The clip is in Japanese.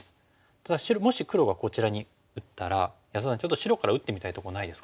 ただもし黒がこちらに打ったら安田さんちょっと白から打ってみたいとこないですか？